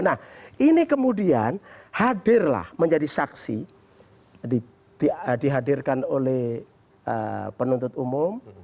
nah ini kemudian hadirlah menjadi saksi dihadirkan oleh penuntut umum